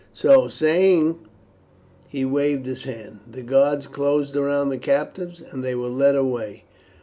So saying he waved his hand. The guards closed round the captives and they were led away.